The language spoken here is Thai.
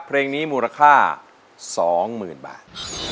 เพลงนี้มูลค่า๒๐๐๐บาท